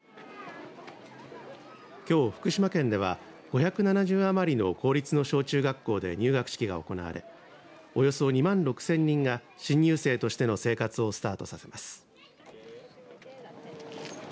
きょう福島県では５７０余りの公立の小中学校で入学式が行われおよそ２万６０００人が新入生としての生活をスタートさせます。